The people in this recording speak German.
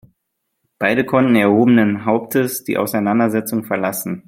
Beide konnten erhobenen Hauptes die Auseinandersetzung verlassen.